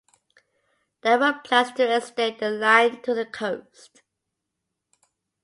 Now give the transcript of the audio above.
There were plans to extend the line to the coast.